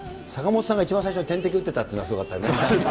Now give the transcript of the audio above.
坂本さんが一番最初に点滴打ってたというのはすごかったね。